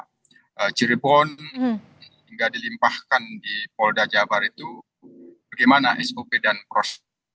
di cirebon hingga dilimpahkan di polda jabar itu bagaimana sop dan pros